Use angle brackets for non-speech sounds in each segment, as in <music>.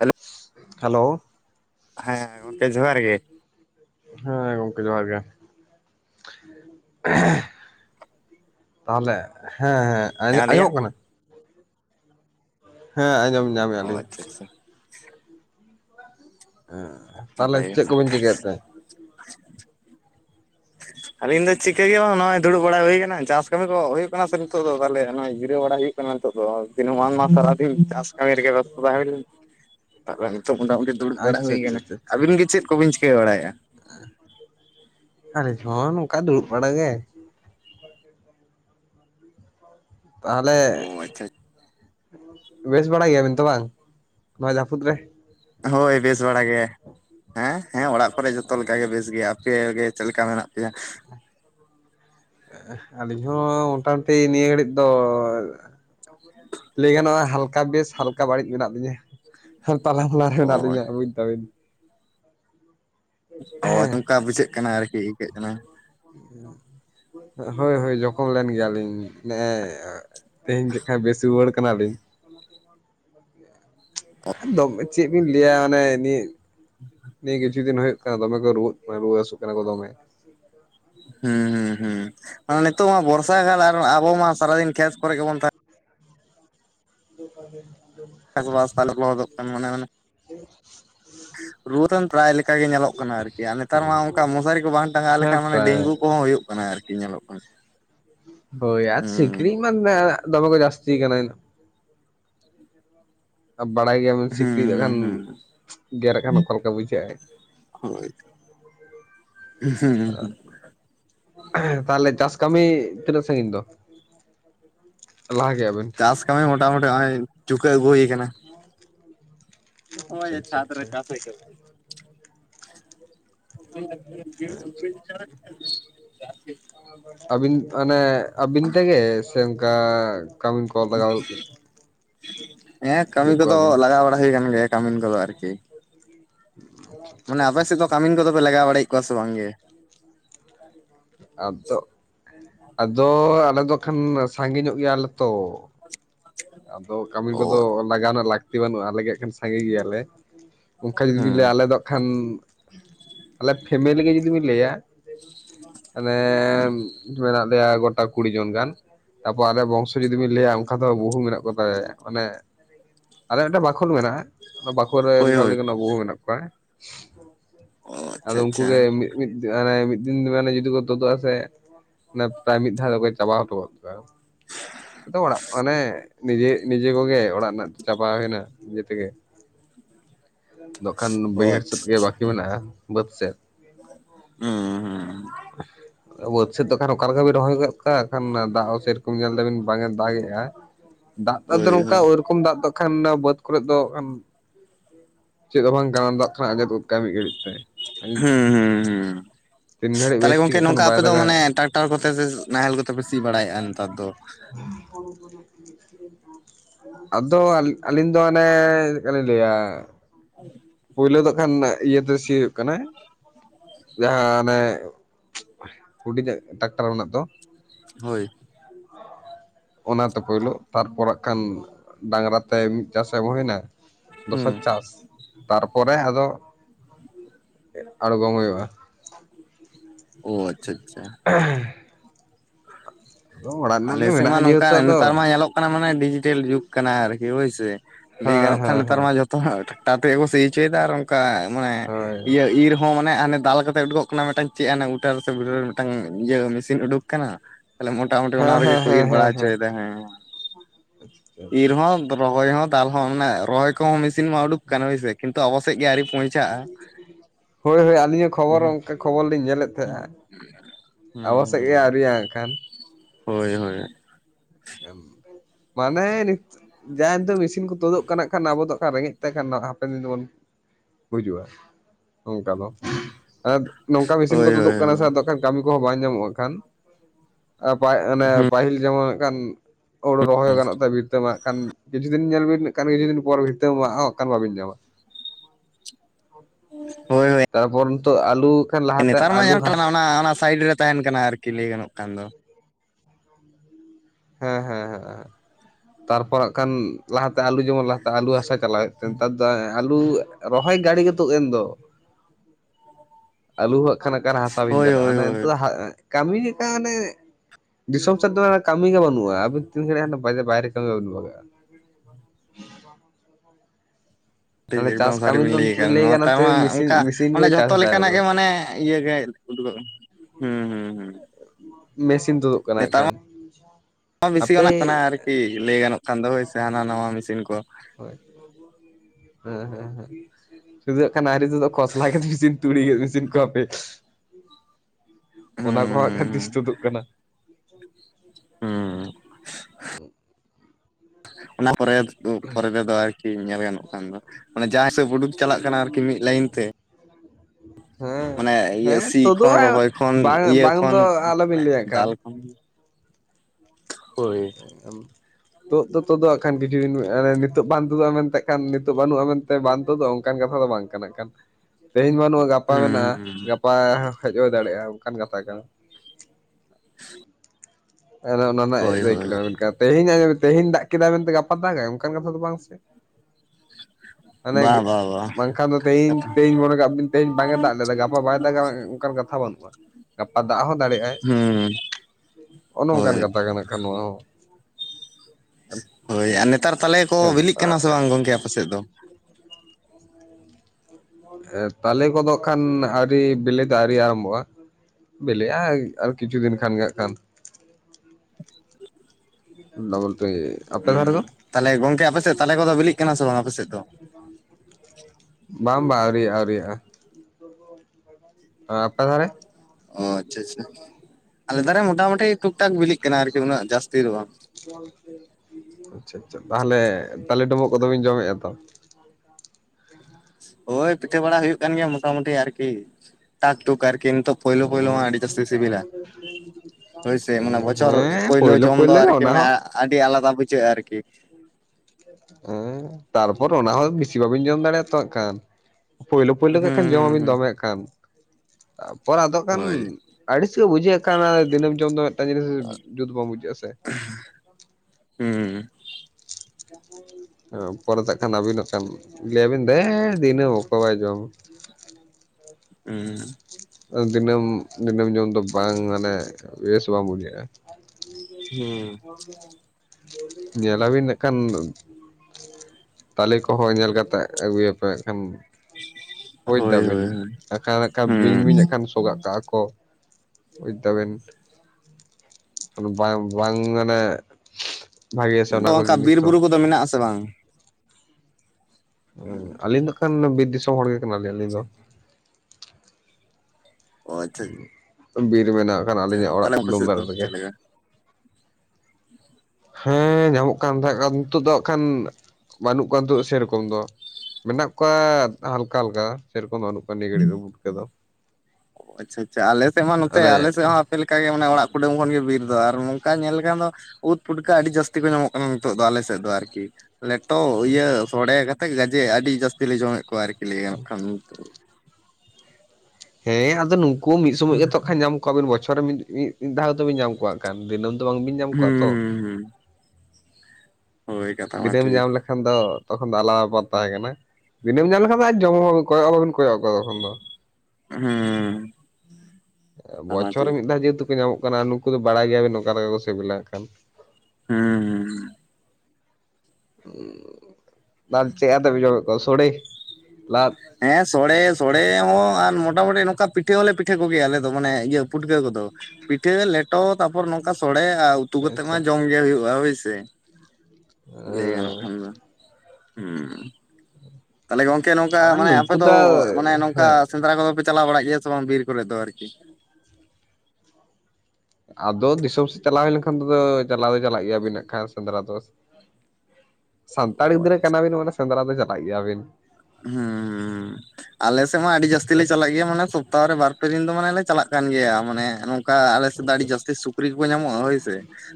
Hello hello. ᱦᱮᱸ ᱜᱚᱝᱠᱮ ᱡᱚᱦᱟᱨ ᱜᱮ ᱦᱮᱸ ᱜᱚᱝᱠᱮ ᱡᱚᱦᱟᱨ ᱜᱮ᱾ <inaudible> ᱛᱟᱦᱞᱮ ᱦᱮᱸ ᱦᱮᱸ ᱟᱸᱡᱚᱢᱚᱜ ᱠᱟᱱᱟ? ᱦᱮᱸ ᱟᱸᱡᱚᱢ ᱧᱟᱢᱮᱫᱼᱟ ᱚ ᱞᱤᱧ ᱟᱪᱪᱷᱟ ᱟᱪᱪᱷᱟ ᱾ ᱦᱮᱸ ᱛᱟᱦᱚᱞᱮ ᱱᱟᱯᱟᱭ ᱪᱮᱫ ᱠᱟᱛᱷᱟ ᱠᱚᱵᱮᱱ ᱪᱤᱠᱟᱹᱭᱮᱫ ᱛᱮ? ᱟᱹᱞᱤᱧ ᱫᱚ ᱪᱤᱠᱟᱹ ᱜᱮᱭᱟ ᱵᱟᱝ ᱱᱚᱜ-ᱚᱭ ᱫᱩᱲᱩᱵ ᱵᱟᱲᱟ ᱦᱩᱭ ᱟᱠᱟᱱᱟ ᱪᱟᱥ ᱠᱟᱹᱢᱤ ᱠᱚ ᱦᱩᱭᱩᱜ ᱠᱟᱱᱟ ᱥᱮ ᱱᱤᱛᱚᱜ ᱫᱚ ᱛᱟᱦᱮ ᱱᱚᱜᱚᱭ ᱡᱤᱨᱟᱹᱣ ᱵᱟᱲᱟ ᱦᱩᱭᱩᱜ ᱠᱟᱱᱟ ᱱᱤᱛᱚᱜ ᱫᱚ ᱫᱤᱱᱟᱹ ᱢᱟᱱ ᱢᱟ ᱥᱟᱨᱟ ᱫᱤᱱ ᱪᱟᱥ ᱠᱟᱹᱢᱤ ᱨᱮᱜᱮ ᱵᱮᱥᱛᱚ ᱛᱟᱨᱯᱚᱨᱮ ᱱᱤᱛᱚᱜ ᱢᱳᱴᱟᱢᱩᱴᱤ ᱫᱩᱲᱩᱵ ᱵᱟᱲᱟ ᱟᱪᱪᱷᱟ ᱦᱩᱭ ᱟᱪᱪᱷᱟ ᱟᱠᱟᱱᱟ ᱟᱪᱪᱷᱟ ᱾ ᱟᱹᱵᱤᱱ ᱜᱮ ᱪᱮᱫ ᱠᱚᱵᱤᱱ ᱪᱤᱠᱟᱹ ᱵᱟᱲᱟᱭᱮᱫ-ᱟ? <inaudible> ᱟᱞᱤᱧ ᱦᱚᱸ ᱱᱚᱝᱠᱟ ᱫᱩᱲᱩᱵ ᱵᱟᱲᱟ ᱜᱮ ᱾ ᱛᱟᱦᱚᱞᱮ ᱚ ᱟᱪᱪᱷᱟ <inaudible> ᱵᱮᱥ ᱵᱟᱲᱟᱭ ᱜᱮᱭᱟᱵᱤᱱ ᱛᱚ ᱵᱟᱝ ᱱᱚᱭᱟ ᱡᱟᱹᱯᱩᱫ ᱨᱮ? ᱦᱳᱭ ᱵᱮᱥ ᱵᱟᱲ ᱜᱮ ᱾ <inaudible> ᱦᱮᱸ ᱦᱮᱸ ᱚᱲᱟᱜ ᱠᱚᱨᱮ ᱡᱚᱛᱚ ᱞᱮᱠᱟ ᱜᱮ ᱵᱮᱥ ᱜᱮ, ᱟᱯᱮ ᱜᱮ ᱪᱮᱫ ᱞᱮᱠᱟ ᱢᱮᱱᱟᱜ ᱯᱮᱭᱟ <inaudible> ᱟᱹᱞᱤᱧ ᱦᱚᱸ ᱢᱚᱴᱟᱢᱩᱴᱤ ᱱᱤᱭᱟᱹ ᱜᱷᱟᱹᱲᱤᱡ ᱫᱚ ᱞᱟᱹᱭ ᱜᱟᱱᱚᱜ-ᱟ ᱦᱟᱞᱠᱟ ᱵᱮᱥ ᱦᱟᱞᱠᱟ ᱵᱟᱹᱲᱤᱡ ᱢᱮᱱᱟᱜ ᱞᱤᱧᱟ <inaudible> ᱦᱚ ᱛᱟᱞᱟ ᱢᱟᱞᱟ ᱚ ᱢᱮᱱᱟᱜ ᱞᱤᱧᱟ ᱵᱩᱧ ᱮᱫᱟᱵᱮᱱ ᱾ ᱚ ᱱᱚᱝᱠᱟ ᱵᱩᱡᱷᱟᱹᱜ ᱠᱟᱱᱟ ᱟᱨᱠᱤ ᱟᱹᱭᱠᱟᱹᱜ ᱠᱟᱱᱟ ᱾ <inaudible> ᱦᱳᱭ ᱦᱳᱭ ᱡᱚᱠᱷᱚᱢ ᱞᱮᱱ ᱜᱮᱭᱟᱞᱤᱧ ᱱᱮᱜ-ᱮ ᱛᱮᱦᱮᱧ ᱠᱷᱟᱱ ᱵᱮᱥ ᱨᱩᱣᱟᱹᱲ ᱠᱟᱱᱟᱞᱤᱧ ᱾ <inaudible> ᱫᱚᱢ ᱪᱮᱫ ᱵᱤᱱ ᱞᱟᱹᱭᱟ ᱚᱱᱮ ᱱᱤᱭᱟᱹ <inaudible> ᱱᱤᱭᱟᱹ ᱠᱤᱪᱷᱩ ᱫᱤᱱ ᱦᱩᱭᱩᱜ ᱫᱚᱢᱮ ᱠᱚ ᱨᱩᱣᱟᱹᱜ ᱠᱟᱱᱟ ᱨᱩᱣᱟᱹ ᱦᱟᱥᱩᱜ ᱠᱟᱱᱟ ᱠᱚ ᱫᱚᱢᱮ ᱾ ᱦᱩᱸ ᱦᱩᱸ ᱦᱩᱸ ᱱᱤᱛᱚᱜ ᱢᱟ ᱵᱚᱨᱥᱟ ᱠᱟᱞ ᱟᱨ ᱟᱵᱚ ᱢᱟ ᱥᱟᱨᱟᱫᱤᱱ ᱠᱷᱮᱛ ᱠᱚᱨᱮ ᱜᱮᱵᱚᱱ ᱛᱟ <unintelligible> <unintelligible> ᱢᱟᱱᱮ ᱚᱱᱮ ᱦᱮᱸ <unintelligible> ᱨᱩᱣᱟᱹ ᱯᱨᱟᱭ ᱞᱮᱠᱟ ᱜᱮ ᱧᱮᱞᱚᱜ ᱠᱟᱱᱟ ᱟᱨᱠᱤ ᱟᱨ ᱱᱮᱛᱟᱨ ᱢᱟ ᱚᱱᱠᱟ ᱢᱚᱥᱟᱨᱤ ᱠᱚ ᱵᱟᱝ ᱴᱟᱸᱜᱟᱣ ᱦᱮᱸ ᱞᱮᱠᱷᱟᱱ ᱢᱟᱱᱮ ᱯᱨᱟᱭ ᱰᱮᱝᱜᱩ ᱠᱚᱦᱚᱸ ᱦᱩᱭᱩᱜ ᱠᱟᱱᱟ ᱟᱨᱠᱤ ᱧᱮᱞᱚᱜ ᱠᱟᱱᱟ ᱾ ᱦᱳᱭ ᱟᱨ ᱥᱤᱠᱲᱤᱡ ᱢᱟ ᱫᱚᱢᱮ ᱠᱚ ᱡᱟᱹᱥᱛᱤ ᱠᱟᱱᱟ ᱾ <inaudible> ᱵᱟᱲᱟᱭ ᱜᱮᱭᱟᱢ ᱥᱤᱠᱲᱤᱡ-ᱟᱜ ᱦᱩᱸ ᱠᱷᱟᱱ ᱦᱩᱸ ᱜᱮᱨᱮᱫ ᱠᱷᱟᱱ ᱚᱠᱟ ᱞᱮᱞᱮᱠᱟ ᱵᱩᱡᱷᱟᱹᱜ ᱟᱭ ᱾ ᱦᱳᱭ ᱾ <inaudible> ᱦᱮᱸ ᱦᱮᱸ ᱾ ᱛᱟᱦᱞᱮ ᱪᱟᱥ ᱠᱟᱹᱢᱤ ᱛᱤᱱᱟᱹᱜ ᱥᱟᱺᱜᱤᱧ ᱫᱚ? <inaudible> ᱞᱟᱦᱟ ᱜᱮᱭᱟᱵᱤᱱ ᱪᱟᱥ ᱠᱟᱹᱢᱤ ᱢᱚᱴᱟ ᱢᱩᱴᱤ ᱱᱚᱜᱚᱭ ᱪᱩᱠᱟᱹ ᱟᱹᱜᱩ ᱦᱩᱭ ᱟᱠᱟᱱᱟ ᱾ ᱟᱪᱪᱷᱟ ᱚᱭᱟ ᱟᱪᱪᱷᱟ ᱪᱷᱟᱛ ᱨᱮ ᱟᱪᱪᱷᱟ ᱪᱟᱥ <unintelligible> <inaudible> ᱟᱪᱪᱷᱟ ᱟᱪᱪᱷᱟ ᱾ ᱟᱹᱵᱤᱱ ᱟᱱᱮ ᱟᱹᱵᱤᱱ ᱛᱮᱜᱮ ᱥᱮ ᱚᱱᱠᱟ ᱠᱟᱹᱢᱤ ᱠᱚ ᱞᱟᱜᱟᱣ <inaudible> ᱦᱮᱸ ᱠᱟᱹᱢᱤ ᱞᱮᱫ ᱠᱚᱫᱚ ᱠᱚᱣᱟᱵᱤᱱ ᱞᱟᱜᱟᱣ ᱵᱟᱲᱟ ᱦᱩᱭ ᱟᱠᱟᱱ ᱜᱮᱭᱟ ᱠᱟᱹᱢᱤᱱ ᱠᱚᱫᱚ ᱟᱨᱠᱤ ᱾ ᱢᱟᱱᱮ ᱟᱯᱮ ᱥᱮᱫ ᱫᱚ ᱠᱟᱹᱢᱤᱱ ᱠᱚᱫᱚᱯᱮ ᱞᱟᱜᱟᱣ ᱵᱟᱲᱟᱭᱮᱫ ᱠᱚᱣᱟ ᱥᱮ ᱵᱟᱝᱜᱮ? ᱟᱫᱚ <inaudible> ᱟᱫᱚ ᱟᱞᱮ ᱫᱚ ᱠᱷᱟᱱ ᱥᱟᱸᱜᱮ ᱧᱚᱜ ᱜᱮᱭᱟᱞᱮ ᱛᱚ ᱾ ᱟᱫᱚ ᱠᱟᱹᱢᱤᱱ ᱚ ᱠᱚᱫᱚ ᱞᱟᱜᱟᱣ ᱨᱮᱱᱟᱜ ᱞᱟᱹᱠᱛᱤ ᱵᱟᱹᱱᱩᱜ-ᱟ ᱟᱞᱮ ᱜᱮ ᱦᱟᱜ ᱠᱷᱟᱱ ᱥᱟᱸᱜᱮ ᱜᱮᱭᱟᱞᱮ ᱾ ᱚᱱᱠᱟ ᱡᱩᱫᱤ ᱦᱮᱸ ᱵᱮᱱ ᱞᱟᱹᱭᱟ ᱟᱞᱮ ᱫᱚ ᱠᱷᱟᱱ <inaudible> ᱟᱞᱮ ᱯᱷᱮᱢᱮᱞᱤ ᱜᱮ ᱡᱩᱫᱤ ᱵᱤᱱ ᱞᱟᱹᱭᱟ <inaudible> ᱟᱱᱮ ᱢᱮᱱᱟᱜ ᱞᱮᱭᱟ ᱜᱚᱴᱟ ᱠᱩᱲᱤ ᱡᱚᱱ ᱜᱟᱱ ᱾ ᱛᱟᱯᱚᱨ ᱟᱞᱮ ᱵᱚᱝᱥᱚ ᱡᱩᱫᱤᱵᱤᱱ ᱞᱟᱹᱭᱟ ᱚᱱᱠᱟ ᱫᱚ ᱵᱩᱦᱩ ᱢᱮᱱᱟᱜ ᱢᱟᱱᱮ <inaudible> ᱟᱞᱮ ᱢᱤᱫᱴᱮᱱ ᱵᱟᱠᱷᱳᱞ ᱢᱮᱱᱟᱜ-ᱟ ᱚᱱᱟ ᱵᱟᱠᱷᱳᱞ ᱨᱮ ᱦᱳᱭ ᱦᱳᱭ ᱚᱱᱠᱟᱠ ᱵᱳᱦᱩ ᱢᱮᱱᱟᱜ ᱠᱚᱣᱟ ᱾ ᱠᱚᱣᱟ ᱾ ᱚ <inaudible> ᱟᱪᱪᱷᱟ ᱟᱫᱚ ᱟᱪᱪᱷᱟ ᱩᱱᱠᱩ ᱜᱮ ᱢᱤᱫ ᱢᱤᱫ ᱢᱟᱱᱮ ᱢᱤᱫ ᱫᱤᱱ ᱢᱟᱱᱮ ᱡᱩᱫᱤ ᱠᱚ ᱛᱚᱫᱚᱜ-ᱟ ᱥᱮ ᱢᱟᱱᱮ ᱯᱨᱟᱭ ᱢᱤᱫ ᱫᱷᱟᱣ ᱫᱚᱠᱚ ᱪᱟᱵᱟ ᱦᱚᱴᱚ ᱠᱟᱜ ᱛᱟᱯᱮᱭᱟ᱾ ᱟᱫᱚ ᱚᱲᱟᱜ ᱢᱟᱱᱮ ᱱᱤᱡᱮ ᱱᱤᱡᱮ ᱠᱚᱜᱮ ᱚᱲᱟᱜ ᱨᱮᱱᱟᱜ ᱪᱟᱵᱟ ᱦᱩᱭᱱᱟ ᱱᱤᱡᱮ ᱛᱮᱜᱮ᱾ ᱫᱚ ᱠᱷᱟᱱ ᱚ ᱵᱟᱹᱭᱦᱟᱹᱲ ᱥᱮᱫ ᱜᱮ ᱟᱪᱪᱷᱟ ᱵᱟᱠᱤ ᱢᱮᱱᱟᱜᱼᱟ ᱵᱟᱹᱫᱽ ᱥᱮᱫ᱾ ᱦᱩᱸ ᱦᱩᱸ <inaudible> ᱟᱵᱟᱹᱫᱽ ᱥᱮᱫ ᱫᱚ ᱠᱷᱟᱱ ᱚᱠᱟ ᱞᱮᱠᱟ ᱵᱤᱱ ᱨᱚᱦᱚᱭ ᱜᱚᱫ ᱠᱟᱜ-ᱟ ᱠᱷᱟᱱ ᱫᱟᱜ ᱦᱚᱸ ᱥᱮᱭᱨᱚᱠᱚᱢ ᱧᱮᱞᱫᱟᱵᱤᱱ ᱵᱟᱝ ᱮ ᱫᱟᱜᱮᱜᱼᱟ, ᱫᱟᱜ ᱫᱟᱜ ᱫᱚ ᱦᱳᱭ ᱦᱳᱭ ᱱᱚᱝᱠᱟ ᱳᱭᱨᱚᱠᱚᱢ ᱫᱟᱜ ᱫᱚ ᱠᱷᱟᱱ ᱵᱟᱹᱫ ᱠᱚᱨᱮ ᱫᱚ ᱠᱷᱟᱱ ᱪᱮᱫ ᱦᱚᱸ ᱵᱟᱝ ᱠᱟᱱᱟ ᱚᱱᱟ ᱫᱚ ᱠᱷᱟᱱ ᱟᱸᱡᱮᱫ ᱜᱚᱫ ᱠᱟᱭ ᱢᱤᱫ ᱜᱷᱟᱹᱲᱤᱡ ᱛᱮ᱾ ᱦᱩᱸ ᱦᱩᱸ ᱦᱩᱸ ᱛᱤᱱ ᱜᱷᱟᱹᱲᱤᱡ ᱛᱟᱦᱞᱮ ᱵᱮᱥ ᱜᱚᱝᱠᱮ ᱴᱷᱤᱠ ᱱᱚᱝᱠᱟ ᱠᱷᱟᱱ ᱟᱯᱮ ᱵᱟᱭ ᱫᱚ ᱫᱟᱜᱟ ᱢᱟᱱᱮ ᱴᱟᱠ ᱴᱟᱨ ᱠᱚᱛᱮ ᱥᱮ ᱱᱟᱦᱮᱞ ᱠᱚᱛᱮ ᱯᱮ ᱥᱤ ᱵᱟᱲᱟᱭᱮᱫᱼᱟ ᱱᱮᱛᱟᱨ ᱫᱚ? <inaudible> ᱟᱫᱚ ᱟᱹᱞᱤᱧ ᱫᱚ ᱚᱱᱮ ᱪᱮᱫᱠᱟ ᱞᱤᱧ ᱞᱟᱹᱭᱟ, <inaudible> ᱯᱩᱭᱞᱳ ᱫᱚ ᱠᱷᱟᱱ ᱤᱭᱟᱹᱛᱮ ᱥᱤ ᱦᱩᱭᱩᱜ ᱠᱟᱱᱟ, ᱡᱟᱦᱟᱸ ᱚᱱᱮ ᱦᱩᱰᱤᱧ ᱴᱟᱠᱴᱟᱨ ᱢᱮᱱᱟᱜ ᱫᱚ᱾ ᱦᱳᱭ᱾ ᱚᱱᱟᱛᱮ ᱯᱳᱭᱞᱳ ᱛᱟᱨᱯᱚᱨ ᱦᱟᱸᱜ ᱠᱷᱟᱱ ᱰᱟᱝᱨᱟ ᱛᱮ ᱢᱤᱫ ᱪᱟᱥᱮ ᱦᱩᱭᱱᱟ, ᱫᱚᱥᱟᱨ ᱦᱩᱸ ᱪᱟᱥ, ᱛᱟᱨᱯᱚᱨᱮ ᱟᱫᱚ ᱟᱲᱜᱚᱢ ᱦᱩᱭᱩᱜᱼᱟ᱾ ᱚ ᱟᱪᱪᱷᱟ ᱪᱷᱟ᱾ <inaudible> ᱟᱫᱚ ᱚᱲᱟᱜ ᱨᱮᱱᱟᱜ ᱜᱮ ᱟᱞᱮ ᱥᱮᱫ ᱢᱟ ᱢᱮᱱᱟᱜᱼᱟ ᱡᱮᱦᱮᱛᱩ ᱱᱚᱝᱠᱟ ᱟᱫᱚ ᱱᱮᱛᱟᱨ ᱢᱟ ᱧᱮᱞᱚᱜ ᱠᱟᱱᱟ ᱢᱟᱱᱮ ᱰᱤᱡᱤᱴᱮᱞ ᱡᱩᱜᱽ ᱠᱟᱱᱟ ᱟᱨᱠᱤ ᱦᱳᱭ ᱥᱮ, ᱞᱟᱹᱭ ᱦᱮᱸ ᱜᱟᱱᱚᱜ ᱠᱷᱟᱱ ᱦᱮᱸ ᱱᱮᱛᱟᱨ ᱦᱮᱸ ᱢᱟ ᱡᱚᱛ ᱛᱟ ᱦᱟᱸᱜ ᱴᱟᱠᱴᱟᱨ ᱛᱮᱜᱮ ᱠᱚ ᱥᱤ ᱦᱚᱪᱚᱭᱮᱫᱟ ᱟᱨ ᱚᱱᱠᱟ ᱢᱟᱱᱮ ᱦᱳᱭ ᱤᱭᱟᱹ ᱤᱨ ᱦᱚᱸ ᱢᱟᱱᱮ ᱦᱟᱱᱮ ᱫᱟᱞ ᱠᱟᱛᱮ ᱩᱰᱩᱠᱚᱜ ᱠᱟᱱᱟ ᱢᱤᱫᱴᱟᱝ ᱪᱮᱫ ᱦᱟᱱᱮ ᱩᱴᱟᱨ ᱥᱮ <inaudible> ᱢᱤᱫᱴᱟᱝ ᱤᱭᱟᱹ ᱢᱮᱥᱤᱱ ᱩᱰᱩᱠ ᱟᱠᱟᱱᱟ, ᱛᱟᱦᱚᱞᱮ ᱢᱚᱴᱟᱢᱩᱴᱤ ᱦᱮᱸ ᱚᱱᱟ ᱛᱮᱜᱮ ᱦᱮᱸ ᱠᱚ ᱦᱮᱸ ᱤᱨ ᱦᱮᱸ ᱵᱟᱲᱟ ᱦᱚᱪᱚᱭᱮᱫᱟ ᱦᱮᱸ᱾ ᱟᱪᱪᱷᱟ ᱟᱪᱪᱷᱟ ᱤᱨ ᱦᱚᱸ ᱨᱚᱦᱚᱭ ᱦᱚᱸ ᱫᱟᱞ ᱦᱚᱸ ᱢᱟᱱᱮ ᱨᱚᱦᱚᱭ ᱠᱚᱦᱚᱸ ᱢᱮᱥᱤᱱ ᱢᱟ ᱩᱰᱩᱠ ᱟᱠᱟᱱᱟ ᱦᱳᱭ ᱥᱮ ᱠᱤᱱᱛᱩ ᱟᱵᱚ ᱥᱮᱫ ᱜᱮ ᱟᱹᱣᱨᱤ ᱯᱳᱣᱪᱷᱟᱜᱼᱟ ᱦᱳᱭ ᱦᱳᱭ ᱟᱹᱞᱤᱧ ᱦᱚᱸ ᱠᱷᱚᱵᱚᱨ ᱦᱩᱸ ᱚᱱᱠᱟ ᱠᱷᱚᱵᱚᱨ ᱞᱤᱧ ᱧᱮᱞᱮᱫ ᱛᱟᱦᱮᱸᱜ-ᱟ ᱟᱵᱚ ᱦᱩᱸ ᱥᱮᱫ ᱜᱮ ᱦᱩᱸ ᱟᱹᱣᱨᱤᱭᱟ ᱦᱟᱸᱜ ᱠᱷᱟᱱ᱾ ᱦᱳᱭ ᱦᱳᱭ᱾ ᱢᱟᱱᱮ ᱱᱤᱛ ᱡᱟ ᱦᱤᱛᱳᱜ ᱢᱮᱥᱤᱱ ᱠᱚ ᱛᱩᱫᱚᱜ ᱠᱟᱱᱟ ᱠᱷᱟᱱ ᱟᱵᱚᱫᱚ ᱠᱷᱟᱱ ᱨᱮᱸᱜᱮᱡ ᱛᱮ ᱠᱷᱟᱱ ᱦᱟᱯᱮᱱ ᱫᱤᱱ ᱫᱚᱵᱚᱱ ᱵᱩᱡᱩᱜᱼᱟ ᱚᱱᱠᱟ ᱫᱚ ᱟᱨ ᱱᱚᱝᱠᱟ ᱢᱮᱥᱤᱱ ᱠᱚ ᱦᱳᱭ ᱛᱩᱫᱩᱜ ᱦᱳᱭ ᱠᱟᱱᱟ ᱥᱮ ᱟᱫᱚ ᱠᱷᱟᱱ ᱠᱟᱹᱢᱤ ᱠᱚᱦᱚᱸ ᱵᱟᱝ ᱧᱟᱢᱚᱜ-ᱟ ᱠᱷᱟᱱ᱾ ᱟ ᱯᱟ ᱚᱱᱮ ᱯᱟᱹᱦᱤᱞ ᱡᱮᱢᱚᱱ ᱦᱟᱜ ᱠᱷᱟᱱ ᱦᱳᱲᱩ ᱨᱚᱦᱚᱭ ᱜᱟᱱᱚᱜ ᱛᱟᱭᱟ <inaudible> ᱢᱟ ᱦᱟᱜ ᱠᱷᱟᱱ ᱠᱤᱪᱷᱩ ᱫᱤᱱ ᱧᱮᱞᱵᱤᱱᱱ ᱠᱷᱟᱱ ᱠᱤᱪᱷᱩ ᱫᱤᱱ ᱯᱚᱨ ᱵᱷᱤᱛᱟᱹ ᱢᱟᱜ ᱦᱚᱸ ᱠᱷᱟᱱ ᱵᱟᱵᱤᱱ ᱧᱟᱢᱟ᱾ ᱦᱳᱭ ᱦᱳᱭ᱾ ᱛᱟᱨᱯᱚᱨ ᱱᱤᱛᱳᱜ ᱟᱞᱩ ᱠᱷᱟᱱ ᱞᱟᱦᱟᱛᱮ ᱱᱮᱛᱟᱨ ᱢᱟ ᱟᱞᱩ <inaudible> ᱦᱟᱥ ᱚᱱᱟ ᱚᱱᱟ ᱥᱟᱭᱤᱰ ᱨᱮ ᱛᱟᱦᱮᱱ ᱠᱟᱱᱟ ᱟᱨᱠᱤ ᱞᱟᱹᱭ ᱜᱟᱱᱚᱜ ᱠᱷᱟᱱ ᱫᱚ᱾ ᱦᱮᱸ ᱦᱮᱸ ᱦᱮᱸ ᱛᱟᱨᱯᱚᱨ ᱦᱟᱠᱷᱟᱱ ᱞᱟᱦᱟᱛᱮ ᱟᱞᱩ ᱡᱮᱢᱚᱱ ᱞᱟᱦᱟᱛᱮ ᱟᱞᱩ ᱦᱟᱥᱟ ᱪᱟᱞᱟᱣ ᱦᱩᱭᱩᱜ ᱛᱟᱦᱮᱱ ᱱᱮᱛᱟᱨ ᱫᱚ ᱟᱞᱩ ᱨᱚᱦᱚᱭ ᱜᱟᱲᱤ ᱜᱮ ᱛᱩᱫ ᱮᱱ ᱫᱚ᱾ ᱟᱞᱩ ᱦᱚᱸ ᱦᱟᱜ ᱠᱷᱟᱱ ᱚᱠᱟᱨᱮ ᱦᱟᱥᱟ ᱵᱤᱱ ᱦᱳᱭ ᱪᱟᱞᱟᱜᱼᱟ ᱦᱳᱭ ᱟᱱᱮ ᱦᱳᱭ ᱞᱟᱦᱟ ᱠᱟᱹᱢᱤ ᱞᱮᱠᱟ ᱟᱱᱮ ᱫᱤᱥᱚᱢ ᱥᱮᱫ ᱫᱚ ᱢᱟᱱᱮ ᱠᱟᱹᱢᱤ ᱜᱮ ᱵᱟᱹᱱᱩᱜᱼᱟ ᱟᱵᱤᱱ ᱛᱤᱱ ᱜᱷᱟᱲᱤᱡ ᱦᱟᱱᱮ ᱵᱟᱡᱟ ᱵᱟᱭᱨᱮ ᱠᱟᱹᱢᱤ ᱵᱟᱵᱤᱱ ᱵᱟᱜᱟᱜ-ᱟ᱾ ᱴᱷᱤᱠ ᱢᱟᱱᱮ ᱮᱠᱫᱚᱢ ᱪᱟᱥ ᱥᱟᱹᱨᱤ ᱠᱟᱹᱢᱤ ᱵᱤᱱ ᱫᱚ ᱞᱟᱹᱭ ᱱᱤᱛᱚᱜ ᱫᱚ ᱟᱠᱟᱜ-ᱟ ᱜᱟᱱᱚᱜ ᱱᱮᱛᱟᱨ ᱛᱮ ᱢᱟ ᱚᱱᱠᱟ ᱢᱮᱥᱤᱱ ᱢᱮᱥᱤᱱ ᱚᱱᱮ ᱠᱚᱭ ᱪᱟᱥ ᱡᱷᱚᱛᱚ ᱮᱫᱟ ᱞᱮᱠᱟᱱᱟᱜ ᱟᱫᱚ ᱜᱮ ᱢᱟᱱᱮ ᱤᱭᱟᱹ ᱜᱮ ᱩᱰᱩᱜᱚᱜ ᱠᱟᱱᱟ ᱦᱩᱸ ᱦᱩᱸ ᱦᱩᱸ᱾ ᱢᱮᱥᱤᱱ ᱛᱩᱫᱩᱜ ᱠᱟᱱᱟᱜ ᱦᱟᱸᱜ ᱠᱷᱟᱱ᱾ ᱵᱟᱝ ᱵᱮᱥᱤ ᱟᱯᱮ ᱜᱟᱱᱚᱜ ᱠᱟᱱᱟ ᱟᱨᱠᱤ ᱞᱟᱹᱭ ᱜᱟᱱᱚᱜ ᱠᱷᱟᱱ ᱫᱚ ᱦᱳᱭ ᱥᱮ ᱦᱟᱱᱟ ᱱᱟᱣᱟ ᱢᱮᱥᱤᱱ ᱠᱚ᱾ ᱦᱳᱭ ᱦᱮᱸ ᱦᱮᱸ ᱦᱮᱸ᱾ ᱥᱩᱫᱩ ᱦᱟᱸᱜᱠᱷᱟᱱ ᱟᱣᱟᱤ ᱛᱩᱫᱩ-ᱟ ᱠᱷᱚᱥᱞᱟ ᱜᱮᱫ ᱢᱮᱤᱥᱤᱱ ᱛᱩᱲᱤ ᱜᱮᱫ ᱢᱮᱤᱥᱤᱱ ᱠᱚ ᱦᱟᱯᱮ᱾ ᱚᱱᱟ ᱠᱚ ᱦᱟᱸᱜ ᱠᱷᱟᱱ ᱦᱩᱸ ᱛᱤᱥ ᱛᱩᱫᱩᱜ ᱠᱟᱱᱟ᱾ ᱦᱩᱸ᱾ <inaudible> ᱚᱱᱟ ᱯᱚᱨᱮ ᱯᱚᱨᱮ ᱛᱮᱫᱚ ᱟᱨᱠᱤ ᱧᱮᱞ ᱜᱟᱱᱚᱜ ᱠᱷᱟᱱ ᱫᱚ᱾ ᱚᱱᱮ ᱡᱟᱦᱟᱸ ᱦᱤᱥᱟᱹᱵ ᱩᱰᱩᱠ ᱪᱟᱞᱟᱜ ᱠᱟᱱᱟ ᱟᱨᱠᱤ ᱢᱤᱫ ᱞᱟᱭᱤᱱ ᱛᱮ <unintelligible> ᱢᱟᱱᱮ ᱤᱭᱟᱹ ᱦᱮᱸ ᱥᱤ ᱠᱷᱚᱱ, ᱛᱩᱫᱩᱜᱼᱟ ᱨᱚᱦᱚᱭ ᱠᱷᱚᱱ, ᱵᱟᱝ ᱤᱭᱟᱹ ᱵᱟᱝ ᱫᱚ ᱠᱷᱚᱱ ᱟᱞᱚᱵᱤᱱ ᱞᱟᱹᱭᱟᱜ ᱠᱷᱟᱱ ᱫᱟᱞ ᱦᱳᱭ᱾ ᱛᱳᱫ ᱫᱚ ᱛᱳᱫᱚᱜ-ᱟ ᱦᱟᱜ ᱠᱷᱟᱱ ᱠᱤᱪᱷᱩ ᱫᱤᱱ ᱟᱱᱮ ᱱᱤᱛᱚᱜ ᱵᱟᱝ ᱛᱩᱫᱩᱜ-ᱟ ᱢᱮᱱᱛᱮ ᱟᱠᱷᱟᱱ ᱱᱤᱛᱚᱜ ᱵᱟᱹᱱᱩᱜ-ᱟ ᱢᱮᱱ ᱥᱮ ᱵᱟᱝ ᱛᱳᱫᱚᱜ-ᱟ ᱚᱱᱠᱟᱱ ᱠᱟᱛᱷᱟ ᱫᱚ ᱵᱟᱝ ᱠᱟᱱᱟ ᱠᱟᱱ ᱦᱟᱜ ᱠᱷᱟᱱ᱾ ᱛᱮᱦᱮᱧ ᱵᱟᱹᱱᱩᱜᱼᱟ ᱜᱟᱯᱟ ᱢᱮᱱᱟᱜᱼᱟ ᱦᱩᱸ ᱜᱟᱯᱟ ᱦᱮᱡ ᱦᱚ ᱫᱟᱲᱮᱜᱼᱟ ᱚᱱᱠᱟᱱ ᱠᱟᱛᱷᱟ ᱠᱟᱱᱟ᱾ ᱟᱫᱚ ᱚᱱᱟ ᱨᱮᱱᱟᱜ ᱦᱳᱭ ᱦᱳᱭ <unintelligible> ᱢᱮᱱᱠᱷᱟᱱ ᱛᱮᱦᱮᱧᱟᱜ ᱧᱮᱞᱢᱮ ᱛᱮᱦᱧ ᱫᱟᱜ ᱠᱮᱫᱟᱭ ᱢᱮᱱᱛᱮ ᱜᱟᱯᱟ ᱫᱟᱜᱟᱭ ᱚᱱᱠᱟᱱ ᱠᱟᱛᱷᱟ ᱫᱚ ᱵᱟᱝ ᱥᱮ᱾ ᱵᱟ ᱚᱱᱟᱜᱮ᱾ ᱵᱟ ᱵᱟ ᱵᱟᱝᱠᱷᱟᱱ ᱫᱚ ᱛᱮᱦᱤᱧ ᱛᱮᱦᱤᱧ ᱢᱚᱱᱮ ᱠᱟᱜ ᱵᱤᱱ ᱛᱮᱦᱤᱧ ᱵᱟᱝᱮ ᱫᱟᱜ ᱞᱮᱫᱟ, ᱜᱟᱯᱟ ᱵᱟᱭ ᱫᱟᱜᱟ ᱚᱱᱠᱟᱱ ᱠᱟᱛᱷᱟ ᱵᱟᱹᱱᱩᱜᱼᱟ᱾ ᱜᱟᱯᱟ ᱫᱟᱜ ᱦᱚᱸ ᱫᱟᱲᱮᱜ-ᱟᱭ᱾ ᱦᱩᱸ ᱚᱱᱚ ᱦᱳᱭ ᱚᱱᱠᱟᱱ ᱠᱟᱛᱷᱟ ᱠᱟᱱᱟ ᱱᱟᱠᱷᱟᱱ ᱦᱟᱜ ᱠᱷᱟᱱ ᱱᱚᱣᱟ ᱦᱚ᱾ ᱦᱳᱭ ᱟᱨ ᱱᱮᱛᱟᱨ ᱛᱟᱞᱮ ᱠᱚ ᱦᱮᱸ ᱵᱤᱞᱤᱜ ᱠᱟᱱᱟ ᱥᱮ ᱵᱟᱝ ᱜᱚᱢᱠᱮ ᱟᱯᱮ ᱥᱮᱫ ᱫᱚ? ᱮ ᱛᱟᱞᱮ ᱠᱚᱫᱚ ᱟᱠᱷᱟᱱ ᱟᱹᱣᱨᱤ ᱵᱮᱞᱮ ᱫᱚ ᱟᱹᱣᱨᱤ ᱟᱨᱚᱢᱵᱚᱜ-ᱟ᱾ ᱵᱮᱞᱮ-ᱟ ᱟᱨ ᱠᱤᱪᱷᱩ ᱫᱤᱱ ᱠᱷᱟᱱ ᱜᱮ ᱦᱟᱜ ᱠᱷᱟᱱ᱾ <inaudible> ᱰᱚᱵᱚᱞ ᱯᱮᱜᱮ᱾ ᱦᱩᱸ ᱦᱩᱸ᱾ ᱛᱟᱦᱞᱮ ᱜᱚᱝᱠᱮ ᱟᱯᱮ ᱥᱮᱫ ᱛᱟᱞᱮ ᱠᱚᱫᱚ ᱵᱤᱞᱤᱜ ᱠᱟᱱᱟ ᱥᱮ ᱵᱟᱝ ᱟᱯᱮ ᱥᱮᱫ ᱫᱚ? <inaudible> ᱵᱟᱝ ᱵᱟᱝ ᱟᱹᱣᱨᱤ ᱟᱹᱣᱨᱤᱭᱟᱜ-ᱟ᱾ <inaudible> ᱟ ᱟᱯᱮ ᱫᱷᱟᱨᱮ? ᱚ ᱟᱪᱪᱷᱟ ᱟᱪᱪᱷᱟ ᱟᱞᱮ ᱫᱷᱟᱨᱮ ᱢᱚᱴᱟᱢᱩᱴᱤ ᱴᱩᱠ-ᱴᱟᱠ ᱵᱤᱞᱤᱜ ᱠᱟᱱᱟ ᱟᱨᱠᱤ ᱩᱱᱟᱹᱜ ᱡᱟᱹᱥᱛᱤ ᱫᱚ ᱵᱟᱝ᱾ ᱟᱪᱪᱷᱟ ᱟᱪᱪᱷᱟ᱾ ᱛᱟᱦᱞᱮ ᱛᱟᱞᱮ ᱰᱩᱸᱵᱩᱜ ᱠᱚᱫᱚ ᱵᱤᱱ ᱡᱚᱢᱮᱫ-ᱟ ᱛᱚ᱾ <inaudible> ᱦᱳᱭ ᱯᱤᱴᱷᱟᱹ ᱵᱟᱲᱟ ᱦᱩᱭᱩᱜ ᱠᱟᱱ ᱜᱮᱭᱟ ᱢᱚᱴᱟᱢᱩᱴᱤ ᱟᱨᱠᱤ ᱴᱟᱠ-ᱴᱩᱠ ᱟᱨᱠᱤ ᱱᱤᱛᱚ᱾ ᱯᱳᱭᱞᱳ ᱯᱳᱞᱳ ᱛᱚ ᱢᱟ ᱟᱹᱰᱤ ᱡᱟᱹᱥᱛᱤ ᱥᱤᱵᱤᱞᱟ, ᱦᱳᱭ ᱥᱮ ᱢᱟᱱᱮ ᱵᱚᱪᱷᱚᱨ ᱦᱮᱸ ᱯᱳᱭᱞᱳ ᱡᱚᱢ ᱫᱚ ᱜᱮ ᱟᱨᱠᱤ ᱚᱱᱟ ᱢᱟᱱᱮ ᱟ ᱦᱚᱸ ᱟᱹᱰᱤ ᱟᱞᱟᱫᱟ ᱵᱩᱡᱷᱟᱹᱜ-ᱟ ᱟᱨᱠᱤ᱾ ᱦᱮᱸ ᱛᱟᱨᱯᱚᱨ ᱚᱱᱟ ᱦᱚᱸ ᱵᱮᱥᱤ ᱵᱟᱵᱤᱱ ᱡᱚᱢ ᱫᱟᱲᱮᱜ-ᱟ ᱟᱛᱚ ᱦᱟᱜᱠᱷᱟᱱ᱾ ᱯᱳᱭᱞᱳ ᱯᱳᱭᱞᱳ ᱦᱩᱸ ᱫᱚ ᱦᱟᱠᱷᱟᱱ ᱡᱚᱢ ᱢᱟᱵᱤᱧ ᱦᱩᱸ ᱫᱚᱢᱮ ᱦᱟᱜᱠᱷᱟᱱ᱾ ᱛᱟᱨᱯᱚᱨ ᱟᱫᱚ ᱦᱟᱜᱠᱷᱟᱱ ᱦᱳᱭ ᱟᱹᱲᱤᱥ ᱜᱮ ᱵᱩᱡᱷᱟᱹᱜ ᱦᱟᱠᱷᱟᱱᱟ ᱟᱫᱚ ᱫᱤᱱᱟᱹᱢ ᱡᱚᱢ ᱫᱚ ᱢᱤᱫᱴᱟᱝ ᱡᱤᱱᱤᱥ ᱡᱩᱛ ᱵᱟᱝ ᱵᱩᱡᱷᱟᱹᱜᱼᱟ ᱥᱮ᱾ ᱦᱩᱸ ᱯᱚᱨᱮ ᱛᱮ ᱦᱟᱸᱜ ᱠᱷᱟᱱ ᱟᱹᱵᱤᱱ ᱦᱟᱸᱜ ᱠᱷᱟᱱ ᱞᱟᱹᱭ ᱟᱵᱤᱱ ᱫᱮ ᱫᱤᱱᱟᱹᱢ ᱚᱠᱚᱭ ᱵᱟᱭ ᱡᱚᱢᱟ᱾ ᱦᱩᱸ᱾ ᱫᱤᱱᱟᱹᱢ ᱫᱤᱱᱟᱹᱢ ᱡᱚᱢ ᱫᱚ ᱵᱟᱝ ᱢᱟᱱᱮ ᱵᱮᱥ ᱵᱟᱝ ᱵᱩᱡᱷᱟᱹᱜ-ᱟ᱾ ᱦᱩᱸ ᱧᱮᱞᱟᱱᱤᱱ ᱱᱟᱠᱷᱟᱱ ᱛᱟᱞᱮ ᱠᱚᱦᱚᱸ ᱧᱮᱞ ᱠᱟᱛᱮᱜ ᱟᱹᱜᱩᱭᱟᱯᱮ ᱱᱟᱠᱷᱟᱱ᱾ ᱵᱩᱡᱽ ᱦᱳᱭ ᱫᱟᱵᱤᱱ ᱦᱳᱭ ᱦᱳᱭ ᱵᱟᱠᱷᱟᱡ ᱱᱟᱠᱷᱟᱱ ᱦᱩᱸ ᱥᱚᱜᱟᱜ ᱠᱟᱜ-ᱟ ᱠᱚ, ᱵᱩᱡᱽ ᱫᱟᱵᱤᱱ᱾ ᱵᱟᱝ ᱵᱟᱝ ᱢᱟᱱᱮ ᱵᱷᱟᱜᱤ ᱟᱥᱮ ᱚᱱᱟ ᱠᱚ ᱚᱱᱠᱟ ᱡᱤᱱᱤᱥ ᱵᱤᱨ ᱛᱚᱼᱼ ᱵᱩᱨᱩ ᱠᱚᱫᱚ ᱢᱮᱱᱟᱜ ᱟᱥᱮ ᱵᱟᱝ? ᱦᱩᱸ ᱟᱹᱞᱤᱧ ᱫᱚ ᱠᱷᱟᱱ ᱵᱤᱨ ᱫᱤᱥᱚᱢ ᱦᱚᱲ ᱜᱮ ᱠᱟᱱᱟ ᱞᱤᱧ ᱟᱹᱞᱤᱧ ᱫᱚ᱾ ᱚ ᱟᱪᱪᱷᱟ ᱵᱤᱨ ᱢᱮᱱᱟᱜ ᱠᱷᱟᱱ ᱟᱪᱪᱷᱟ ᱟᱹᱞᱤᱧᱟᱜ ᱚᱲᱟᱜ ᱛᱟᱦᱚᱞᱮ ᱟᱯᱮ ᱠᱩᱰᱟᱹᱢ ᱥᱮᱫ ᱫᱷᱟᱨᱮ ᱫᱚ ᱨᱮᱜᱮ᱾ ᱪᱮᱫ ᱞᱮᱠᱟ? <inaudible> ᱦᱮᱸ ᱧᱟᱢᱚᱜ ᱠᱟᱱ ᱛᱟᱦᱮᱸ ᱠᱟᱱ ᱱᱤᱛᱚᱜ ᱫᱚ ᱦᱟᱜ ᱠᱷᱟᱱ ᱵᱟᱹᱱᱩᱜ ᱠᱚᱣᱟ ᱱᱤᱛᱚᱜ ᱥᱮᱨᱚᱠᱚᱢ ᱫᱚᱼᱼ ᱢᱮᱱᱟᱜ ᱠᱚᱣᱟ ᱦᱟᱞᱠᱟ ᱦᱟᱞᱠᱟ ᱥᱮᱨᱚᱠᱚᱢ ᱫᱚ ᱵᱟᱹᱱᱩᱜ ᱠᱚᱣᱟ ᱱᱤᱭᱟᱹ ᱜᱷᱟᱹᱲᱤᱡ ᱫᱚ ᱵᱩᱴᱠᱟᱹ ᱫᱚ᱾ ᱟᱪᱪᱷᱟ ᱟᱪᱪᱷᱟ ᱟᱞᱮ ᱥᱮᱫ ᱢᱟ ᱱᱚᱛᱮ ᱢᱟᱱᱮ ᱟᱞᱮ ᱥᱮᱫ ᱦᱚᱸ ᱟᱯᱮ ᱞᱮᱠᱟ ᱜᱮ ᱢᱟᱱᱮ ᱚᱲᱟᱜ ᱠᱩᱰᱟᱹᱢ ᱠᱷᱚᱱ ᱜᱮ ᱵᱤᱨ ᱫᱚ ᱟᱨᱼᱼ ᱚᱱᱠᱟ ᱧᱮᱞ ᱞᱮᱠᱷᱟᱱ ᱫᱚ ᱩᱫ ᱯᱩᱴᱠᱟ ᱟᱹᱰᱤ ᱡᱟᱹᱥᱛᱤ ᱠᱚ ᱧᱟᱢᱚᱜ ᱠᱟᱱᱟ ᱱᱤᱛᱚᱜ ᱫᱚ ᱟᱞᱮ ᱥᱮᱫ ᱫᱚ ᱟᱨ ᱠᱤ᱾ ᱞᱮᱴᱚ ᱤᱭᱟᱹ ᱥᱚᱲᱮ ᱠᱟᱛᱮ ᱜᱟᱡᱮ ᱟᱹᱰᱤ ᱡᱟᱹᱥᱛᱤ ᱞᱮ ᱡᱚᱢ ᱮᱫ ᱠᱚᱣᱟ ᱟᱨᱠᱤ ᱞᱟᱹᱭ ᱜᱟᱱᱚᱜ ᱠᱷᱟᱱ᱾ ᱦᱮᱸ ᱟᱫᱚ ᱱᱩᱠᱩ ᱢᱤᱫ ᱥᱚᱢᱚᱭ ᱜᱮᱛᱚ ᱠᱷᱟᱡ ᱧᱟᱢ ᱠᱚᱣᱟ ᱵᱤᱱ ᱵᱚᱪᱷᱚᱨ ᱨᱮ ᱢᱤᱫ ᱫᱷᱟᱣ ᱫᱚ ᱵᱤᱱ ᱧᱟᱢ ᱠᱚᱣᱟ ᱦᱟᱸᱜ ᱠᱷᱟᱱ ᱫᱤᱱᱟᱹᱢᱼᱼ ᱫᱚ ᱵᱟᱝ ᱵᱤᱱ ᱧᱟᱢ ᱠᱚᱣᱟ ᱦᱩᱸ ᱛᱚ᱾ ᱦᱩᱸ ᱦᱩᱸ᱾ ᱦᱳᱭ ᱠᱟᱛᱷᱟ ᱢᱟ ᱵᱤᱫᱟᱹᱭ ᱮᱢ ᱴᱷᱤᱠ ᱧᱟᱢ ᱞᱮᱠᱷᱟᱱ ᱫᱚ ᱛᱚᱠᱷᱚᱱ ᱫᱚ ᱟᱞᱟᱫᱟ ᱵᱮᱯᱟᱨ ᱛᱟᱦᱮᱸ ᱠᱟᱱᱟ᱾ ᱫᱤᱱᱹᱢ ᱧᱟᱢ ᱞᱮᱠᱷᱟᱱ ᱫᱚ ᱟᱨ ᱡᱚᱢ ᱦᱚᱸ ᱠᱚᱭᱚᱜ ᱦᱚᱸ ᱵᱟᱵᱤᱱ ᱠᱚᱭᱚᱜ ᱟᱠᱚᱣᱟ ᱛᱚᱠᱷᱚᱱ ᱫᱚ᱾ ᱦᱩᱸ ᱠᱟᱛᱷᱟ ᱢᱟ ᱵᱚᱪᱷᱚᱨ ᱨᱮ ᱴᱷᱤᱠ ᱢᱤᱫ ᱫᱷᱟᱣ ᱡᱮᱦᱮᱛᱩ ᱠᱚ ᱧᱟᱢᱚᱜ ᱾ ᱠᱟᱱᱟ ᱱᱩᱠᱩ ᱫᱚ ᱵᱟᱲᱟᱭ ᱜᱮᱭᱟ ᱵᱤᱱ ᱚᱠᱟ ᱞᱮᱠᱟ ᱠᱚ ᱥᱤᱵᱤᱞᱟ ᱦᱟᱸᱜ ᱠᱷᱟᱱ᱾ ᱦᱩᱸ ᱦᱩᱸ ᱦᱩᱸ᱾ ᱟᱨ ᱪᱮᱫ ᱟᱛᱮᱫ ᱵᱤᱱ ᱡᱚᱢᱞᱮᱫ ᱠᱚᱣᱟ ᱥᱚᱲᱮ, ᱞᱟᱫ? ᱦᱮᱸ ᱥᱚᱲᱮ ᱥᱚᱲᱮ ᱦᱚᱸ ᱟᱨ ᱢᱚᱴᱟ ᱢᱩᱴᱤ ᱱᱚᱝᱠᱟ ᱯᱤᱴᱷᱟᱹ ᱦᱚᱸᱞᱮ ᱯᱤᱴᱷᱟᱹ ᱠᱚ ᱜᱮᱭᱟ ᱟᱞᱮ ᱫᱚ ᱢᱟᱱᱮ ᱤᱭᱟᱹ ᱯᱩᱴᱠᱟᱹ ᱠᱚᱫᱚ᱾ ᱯᱤᱴᱷᱟᱹ ᱞᱮᱴᱚ ᱛᱟᱯᱚᱨ ᱱᱚᱝᱠᱟ ᱥᱚᱲᱮ ᱟᱨ ᱩᱛᱩ ᱠᱟᱛᱮᱜ ᱢᱟ ᱟᱪᱪᱷᱟ ᱡᱚᱢ ᱜᱮ ᱦᱩᱭᱩᱜᱼᱟ ᱦᱳᱭ ᱥᱮ᱾ ᱞᱟᱹᱭ ᱜᱟᱱᱚᱜ ᱦᱮᱸ ᱠᱷᱟᱱ ᱫᱚ ᱦᱩᱸ᱾ ᱛᱟᱦᱞᱮ ᱜᱚᱝᱠᱮ ᱱᱚᱝᱠᱟ ᱟᱨ ᱢᱟᱱᱮ ᱟᱯᱮ ᱱᱩᱠᱩ ᱫᱚ ᱢᱟᱱᱮ ᱱᱚᱝᱠᱟᱼᱼ ᱥᱮᱸᱫᱽᱨᱟ ᱠᱚᱫᱚ ᱯᱮ ᱪᱟᱞᱟᱣ ᱵᱟᱲᱟᱜ ᱜᱮᱭᱟ ᱥᱮ ᱵᱟᱝ ᱵᱤᱨ ᱠᱚᱨᱮ ᱫᱚ ᱟᱨᱠᱤ᱾ ᱟᱫᱚ ᱫᱤᱥᱚᱢ ᱥᱮᱫ ᱪᱟᱞᱟᱣ ᱦᱩᱭ ᱞᱮᱱᱠᱷᱟᱱ ᱛᱮᱫᱚ ᱪᱟᱞᱟᱣ ᱫᱚ ᱪᱟᱞᱟᱜ ᱜᱮᱭᱟ ᱵᱤᱱᱟᱜ ᱠᱷᱟᱱ ᱥᱮᱸᱫᱽᱨᱟ ᱫᱚ᱾ ᱥᱟᱱᱛᱟᱲ ᱚ ᱜᱤᱫᱽᱨᱟᱹ ᱟᱪᱪᱷᱟ ᱠᱟᱱᱟ ᱵᱤᱱ ᱢᱟᱱᱮ ᱥᱮᱸᱫᱽᱨᱟ ᱫᱚ ᱪᱟᱞᱟᱜ ᱜᱮᱭᱟ ᱵᱤᱱ᱾ ᱦᱩᱸ ᱦᱩᱸ ᱦᱩᱸ᱾ ᱟᱞᱮ ᱥᱮᱫ ᱢᱟ ᱟᱹᱰᱤ ᱡᱟᱹᱥᱛᱤ ᱞᱮ ᱪᱟᱞᱟᱜ ᱜᱮᱭᱟ ᱢᱟᱱᱮ ᱥᱚᱯᱛᱟ ᱦᱚ ᱵᱟᱨ ᱯᱮ ᱫᱤᱱ ᱫᱚ ᱢᱟᱱᱮ ᱞᱮ ᱪᱟᱞᱟᱜ ᱠᱟᱱ ᱜᱮᱭᱟ ᱢᱟᱱᱮᱼᱼ ᱚᱱᱠᱟ ᱟᱞᱮ ᱥᱮᱫ ᱫᱚ ᱟᱹᱰᱤ ᱟᱪᱪᱷᱟ ᱡᱟᱹᱥᱛᱤ ᱥᱩᱠᱨᱤ ᱠᱚᱠᱚ ᱧᱟᱢᱚᱜᱼᱟ ᱦᱳᱭ ᱥᱮ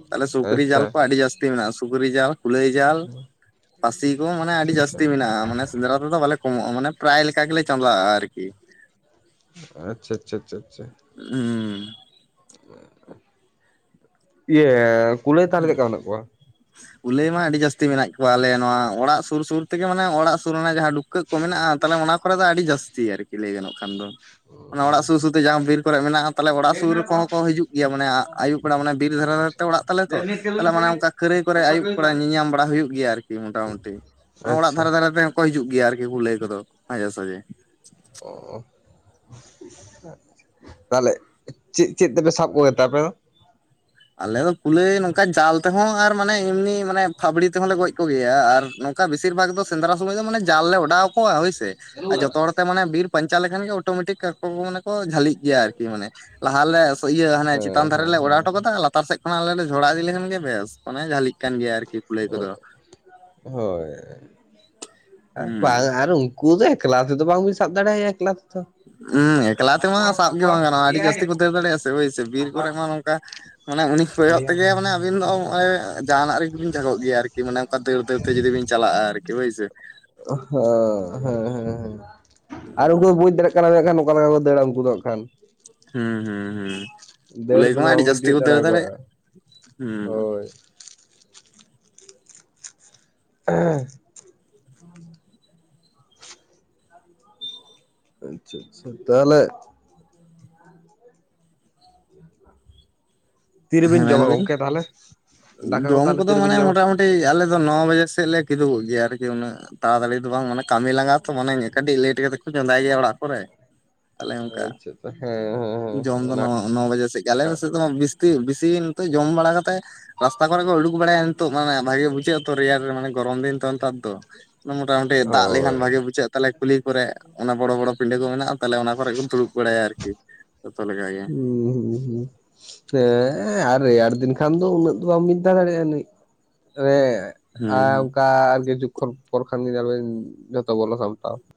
ᱛᱟᱦᱚᱞᱮ ᱥᱩᱠᱨᱤ ᱟᱪᱪᱷᱟ ᱡᱟᱞ ᱠᱚ ᱟᱹᱰᱤ ᱡᱟᱹᱥᱛᱤᱼᱼ ᱡᱟᱹᱥᱛᱤ ᱢᱮᱱᱟᱜᱼᱟ ᱥᱩᱠᱨᱤ ᱡᱟᱞ ᱠᱩᱞᱟᱹᱭ ᱡᱟᱞ ᱯᱟᱹᱥᱤ ᱠᱚ ᱢᱟᱱᱮ ᱟᱹᱰᱤ ᱟᱪᱪᱷᱟ ᱡᱟᱹᱥᱛᱤ ᱢᱮᱱᱟᱜᱼᱟ ᱢᱟᱱᱮ ᱥᱮᱸᱫᱽᱨᱟᱼᱼ ᱯᱩᱨᱟᱹ ᱫᱚ ᱵᱟᱞᱮ ᱠᱚᱢᱚᱜᱼᱟ ᱢᱟᱱ ᱯᱨᱟᱭ ᱞᱮᱠᱟ ᱜᱮᱞᱮ ᱪᱟᱞᱟᱜᱼᱟ ᱟᱨ ᱠᱤ᱾ ᱟᱪᱪᱷᱟ ᱟᱪᱪᱷᱟ ᱟᱪᱪᱷᱟ ᱟᱪᱪᱷᱟ᱾ ᱦᱩᱸ᱾ ᱤᱭᱟᱹ ᱠᱩᱞᱟᱹᱭ ᱛᱟᱦᱞᱮ ᱪᱮᱫ ᱞᱮᱠᱟ ᱢᱮᱱᱟᱜ ᱠᱚᱣᱟ᱾ ᱠᱩᱞᱟᱹᱭ ᱢᱟ ᱟᱹᱰᱤ ᱡᱟᱹᱥᱛᱤ ᱢᱮᱱᱟᱜ ᱠᱚᱣᱟ ᱟᱞᱮ ᱱᱚᱣᱟ ᱚᱲᱟᱜ ᱥᱩᱨ ᱥᱩᱨ ᱛᱮᱜᱮ ᱢᱟᱱᱮ ᱚᱲᱟᱜ ᱥᱩᱨ ᱨᱮᱱᱟᱜ ᱡᱟᱦᱟᱸ ᱞᱩ᱾ ᱴᱩᱢᱠᱟᱹᱭ ᱠᱚ ᱢᱮᱱᱟᱜᱼᱟ ᱛᱟᱦᱞᱮ ᱚᱱᱟ ᱠᱚᱨᱮ ᱫᱚ ᱟᱹᱰᱤ ᱡᱟᱹᱥᱛᱤ ᱟᱨᱠᱤ ᱞᱟᱹᱭ ᱜᱟᱱᱚᱜ ᱠᱷᱟᱱ ᱫᱚ᱾ ᱚᱱᱟ ᱚᱲᱟᱜ ᱥᱩᱨ ᱥᱩᱨ ᱛᱮ ᱡᱟᱦᱟᱸ ᱵᱤᱨ ᱠᱚᱨᱮ ᱢᱮᱱᱟᱜᱼᱟ᱾ ᱛᱟᱦᱚᱞᱮ ᱚᱲᱟᱜ ᱥᱩᱨ ᱠᱚᱦᱚᱸ ᱠᱚ ᱦᱤᱡᱩᱜ ᱜᱮᱭᱟ ᱢᱟᱱᱮ ᱟᱹᱭᱩᱵ ᱵᱮᱲᱟ ᱢᱟᱱᱮ ᱵᱤᱨ ᱫᱷᱟᱨᱮ ᱫᱷᱟᱨᱮ ᱟᱪᱪᱷᱟ ᱛᱮ ᱟᱪᱪᱷᱟ ᱚᱲᱟᱜ᱾ ᱛᱟᱞᱮ ᱛᱚ ᱛᱟᱦᱞᱮ ᱢᱟᱱᱮ ᱚᱱᱠᱟ ᱠᱷᱟᱹᱨᱟᱹᱭ ᱠᱚᱨᱮ ᱟᱹᱭᱩᱵ ᱵᱮᱲᱟ ᱧᱮᱞ ᱧᱟᱢ ᱵᱟᱲᱟ ᱦᱩᱭᱩᱜ ᱜᱮᱭᱟ ᱟᱨᱠᱤ ᱢᱚᱴᱟ ᱢᱩᱴᱤ ᱚᱲᱟᱜ ᱟᱪᱪᱷᱟ ᱫᱷᱟᱨᱮ ᱫᱷᱟᱨᱮ᱾ ᱱᱚᱝᱠᱟ ᱛᱮᱦᱚᱸ ᱠᱚ ᱦᱤᱡᱩᱜ ᱜᱮᱭᱟ ᱟᱨᱠᱤ ᱠᱩᱞᱟᱹᱭ ᱠᱚᱫᱚ ᱢᱟᱡᱷᱮ ᱥᱟᱡᱷᱮ᱾ ᱚᱼᱼ ᱛᱟᱦᱚᱞᱮ ᱪᱮᱫ ᱪᱮᱫ ᱛᱮᱯᱮ ᱥᱟᱵ ᱠᱚ ᱜᱮᱛᱮ ᱟᱯᱮ ᱫᱚ? ᱟᱞᱮ ᱫᱚ ᱠᱩᱞᱟᱹᱭ ᱱᱚᱝᱠᱟ ᱡᱟᱞ ᱛᱮᱦᱚᱸ ᱟᱨ ᱢᱟᱱᱮ ᱮᱢᱱᱤ ᱢᱟᱱᱮ ᱯᱷᱟᱵᱽᱲᱤ ᱛᱮᱦᱚᱸ ᱞᱮ ᱜᱚᱡᱼᱼ ᱠᱚ ᱜᱮᱭᱟ ᱟᱨ ᱱᱚᱝᱠᱟ ᱵᱮᱥᱤᱨ ᱵᱷᱟᱜᱽ ᱫᱚ ᱥᱮᱸᱫᱽᱨᱟ ᱥᱚᱢᱚᱭ ᱫᱚ ᱡᱟᱞ ᱞᱮ ᱚᱰᱟᱣ ᱟᱠᱚᱣᱟ ᱦᱚᱭ ᱥᱮ ᱟᱨ ᱡᱚᱛᱚ ᱦᱚᱲᱼᱼ ᱚᱱᱠᱟ ᱢᱟᱱᱮ ᱵᱤᱨ ᱯᱟᱧᱪᱟᱣ ᱞᱮᱠᱷᱟᱱ ᱜᱮ ᱚᱴᱳᱢᱮᱴᱤᱠ ᱟᱠᱚ ᱢᱟᱱᱮ ᱠᱚ ᱡᱷᱟᱹᱞᱤᱜ ᱜᱮᱭᱟ ᱟᱨᱠᱤ ᱢᱟᱱᱮ ᱞᱟᱦᱟ ᱞᱮ ᱮᱥᱮᱫᱟ᱾ ᱤᱭᱟᱹ ᱦᱟᱱᱮ ᱪᱮᱛᱟᱱ ᱦᱮᱸ ᱫᱷᱟᱨᱮ ᱦᱮᱸ ᱞᱮ ᱚᱰᱟᱣ ᱦᱮᱸ ᱦᱚᱴᱚ ᱠᱟᱫᱟ ᱟᱨ ᱞᱟᱛᱟᱨ ᱥᱮᱫ ᱠᱷᱚᱱ ᱟᱞᱮ ᱞᱮ ᱡᱷᱚᱲᱟ ᱤᱫᱤ ᱞᱮᱠᱷᱟᱱ ᱜᱮ ᱵᱮᱥ ᱢᱟᱱᱮ ᱡᱷᱟᱹᱞᱤ ᱠᱟᱱ ᱜᱮᱭᱟᱭ ᱟᱨᱠᱤ ᱠᱩᱞᱟᱹᱭ ᱠᱚᱫᱚ ᱾ ᱦᱳᱭ ᱵᱟᱝ ᱟᱨ ᱩᱱᱠᱩ ᱫᱚ ᱮᱠᱞᱟ ᱛᱮᱫᱚ ᱵᱟᱝ ᱵᱤᱱ ᱥᱟᱵ ᱫᱟᱲᱮ ᱭᱟᱭᱟ ᱮᱠᱞᱟ ᱛᱮᱫᱚ᱾ ᱦᱮᱸ ᱮᱠᱞᱟ ᱛᱮᱢᱟ ᱥᱟᱵ ᱜᱮ ᱵᱟᱝ ᱜᱟᱱᱚᱜᱼᱟ ᱟᱹᱰᱤ ᱡᱟᱹᱥᱛᱤ ᱠᱚ ᱫᱟᱹᱲ ᱫᱟᱲᱮᱭᱟᱜᱼᱟ ᱥᱮ ᱦᱳᱭ ᱥᱮ ᱵᱤᱨ ᱠᱚᱨᱮ ᱢᱟ ᱱᱚᱝᱠᱟ ᱢᱟᱱᱮ ᱩᱱᱤ ᱠᱚᱭᱚᱜ ᱛᱮᱜᱮ ᱢᱟᱱᱮ ᱟᱵᱤᱱ ᱫᱚ ᱱᱚᱜ-ᱚᱭ ᱡᱟᱦᱟᱸᱱᱟᱜ ᱜᱮᱵᱤᱱ ᱡᱷᱟᱜᱚᱜ ᱜᱮᱭᱟ ᱟᱨᱠᱤ ᱢᱟᱱᱮ ᱚᱱᱠᱟ ᱫᱟᱹᱲ ᱫᱟᱹᱲ ᱛᱮ ᱡᱩᱫᱤ ᱵᱤᱱ ᱪᱟᱞᱟᱜᱼᱟ ᱟᱨᱠᱤ ᱦᱳᱭ ᱥᱮ᱾ ᱦᱚᱸ ᱦᱮᱸ ᱦᱮᱸ ᱟᱨ ᱩᱱᱠᱩ ᱵᱩᱡᱽ ᱫᱟᱲᱮᱭᱟᱜ ᱠᱟᱱᱟ ᱢᱮᱱᱠᱟᱷᱟᱱ ᱚᱠᱟ ᱞᱮᱠᱟ ᱠᱚ ᱫᱟᱹᱲᱟ ᱩᱱᱠᱩ ᱫᱚ ᱦᱟᱸᱜ ᱠᱷᱟᱱ ᱾ ᱦᱩᱸ ᱦᱩᱸ ᱦᱩᱸ ᱫᱟᱹᱲ ᱠᱩᱞᱟᱹᱭ ᱛᱮᱫᱚ ᱠᱚᱢᱟ ᱟᱹᱰᱤ ᱵᱟᱝᱵᱤᱱ ᱡᱟᱹᱥᱛᱤ ᱠᱚ ᱛᱤᱭᱳᱜ ᱫᱟᱹᱲ ᱫᱟᱲᱮᱭᱟᱜ᱾ ᱫᱟᱲᱮᱭᱟᱠᱚᱣᱟ ᱦᱩᱸ ᱦᱳᱭ <unintelligible> <unintelligible> ᱛᱟᱦᱚᱞᱮ ᱦᱮᱸ ᱛᱤᱨᱮᱵᱤᱱ ᱡᱚᱢᱟ ᱢᱮᱱᱵᱤᱱ ᱜᱚᱝᱠᱮ ᱛᱟᱦᱚᱞᱮ ᱫᱟᱠᱟ ᱠᱚ ᱡᱚᱢ ᱛᱟᱦᱚᱞᱮ ᱠᱚᱫᱚ ᱛᱤᱨᱮᱵᱤᱱ ᱢᱟᱱᱮ ᱡᱚᱢᱟ ᱢᱚᱴᱟᱢᱩᱴᱤ ᱠᱟᱹᱴᱤᱡ ᱟᱞᱮ ᱫᱚ ᱱᱚ ᱵᱟᱡᱮ ᱥᱮᱫ ᱞᱮ ᱠᱤᱫᱩᱜᱚᱜ ᱜᱮᱭᱟ, ᱟᱨᱠᱤ ᱩᱱᱟᱹᱜ ᱛᱟᱲᱟᱛᱟᱲᱤ ᱫᱚ ᱵᱟᱝ ᱢᱟᱱᱮ ᱠᱟᱹᱢᱤ ᱞᱟᱸᱜᱟ ᱛᱚ ᱢᱟᱱᱮ ᱠᱟᱹᱴᱤᱡ ᱞᱮᱴ ᱠᱟᱛᱮᱫ ᱠᱚ ᱪᱚᱸᱫᱟᱭ ᱜᱮᱭᱟ ᱚᱲᱟᱜ ᱠᱚᱨᱮ, ᱟᱞᱮ ᱚᱱᱠᱟ ᱟᱪᱪᱷᱟ ᱟᱪᱪᱷᱟ ᱦᱮᱸ ᱦᱮᱸ ᱦᱮᱸ ᱡᱚᱢ ᱫᱚ ᱚᱱᱟ ᱱᱚ ᱱᱚ ᱵᱟᱡᱮ ᱥᱮᱫ ᱜᱮᱞᱮ ᱢᱮ ᱥᱮ ᱫᱚ ᱢᱟ ᱵᱤᱥ ᱵᱤᱥᱤ ᱱᱤᱛᱚᱜ ᱡᱚᱢ ᱵᱟᱲᱟ ᱠᱟᱛᱮ ᱨᱟᱥᱛᱟ ᱠᱚᱨᱮ ᱠᱚ ᱩᱰᱩᱠ ᱵᱟᱲᱟᱭᱟ ᱱᱤᱛᱚᱜ ᱢᱟᱱᱮ ᱵᱷᱟᱜᱮ ᱵᱩᱡᱷᱟᱹᱜᱼᱟ ᱛᱚ ᱨᱮᱭᱟᱲ ᱨᱮ ᱢᱟᱱᱮ ᱜᱚᱨᱚᱢ ᱫᱤᱱ ᱛᱚ ᱱᱮᱛᱟᱨ ᱫᱚ᱾ ᱢᱚᱴᱟᱢᱩᱴᱤ ᱫᱟᱜ ᱞᱮᱠᱷᱟᱱ ᱦᱳᱭ ᱵᱷᱟᱜᱮ ᱵᱩᱡᱷᱟᱹᱜ ᱛᱟᱦᱚᱞᱮ ᱠᱩᱞᱤ ᱠᱚᱨᱮ ᱚᱱᱟ ᱵᱚᱲᱚ ᱵᱚᱲᱚ ᱯᱤᱸᱰᱟᱹ ᱢᱮᱱᱟᱜ ᱛᱟᱦᱚᱞᱮ ᱚᱱᱟ ᱠᱚᱨᱮ ᱫᱩᱲᱩᱵ ᱵᱟᱲᱟᱭᱟ ᱟᱨᱠᱤ ᱡᱚᱛᱚ ᱞᱮᱠᱟᱜ ᱜᱮ ᱾ ᱦᱩᱸ ᱦᱩᱸ ᱦᱩᱸ ᱦᱮᱸ ᱟᱨ ᱨᱮᱭᱟᱲ ᱫᱤᱱ ᱠᱷᱟᱱ ᱫᱚ ᱩᱱᱟᱹᱜ ᱫᱚ ᱵᱟᱢ ᱵᱤᱱ ᱛᱟᱦᱮᱸ ᱫᱟᱲᱮᱭᱟᱜᱼᱟ ᱡᱟᱱᱤᱡ ᱦᱮᱸ ᱦᱩᱸ ᱦᱩᱸ᱾ ᱚᱱᱠᱟ ᱟᱨ ᱠᱤᱪᱷᱩ ᱠᱷᱚᱱ ᱯᱚᱨᱠᱷᱟᱱ ᱜᱮᱵᱮᱱ ᱡᱚᱛᱚ ᱵᱚᱞᱚ ᱥᱟᱢᱴᱟᱣ ᱾